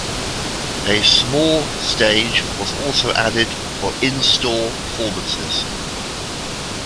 A small stage was also added for in-store performances.